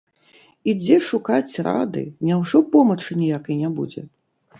І дзе шукаць рады, няўжо помачы ніякай не будзе?